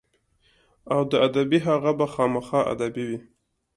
او د ادبي هغه به خامخا ادبي وي.